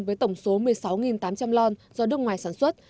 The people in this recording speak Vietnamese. với tổng số một mươi sáu tám trăm linh lon do nước ngoài sản xuất